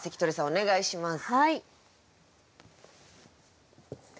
お願いします。